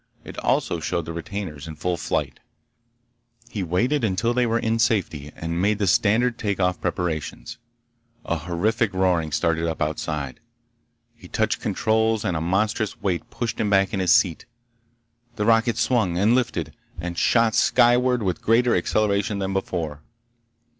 It also showed the retainers in full flight. He waited until they were in safety and made the standard take off preparations. A horrific roaring started up outside. He touched controls and a monstrous weight pushed him back in his seat. The rocket swung, and lifted, and shot skyward with greater acceleration than before.